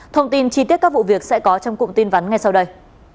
thông tin chi tiết các vụ việc sẽ có trong cụm tin vắn ngay sau đây